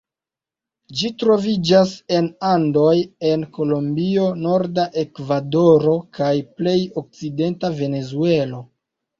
Ĝi troviĝas en Andoj en Kolombio, norda Ekvadoro, kaj plej okcidenta Venezuelo.